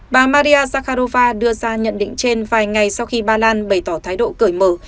bà maria zakharova đưa ra nhận định trên vài ngày sau khi ba lan bày tỏ thái độ cởi mở